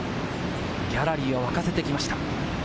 ギャラリーを沸かせてきました。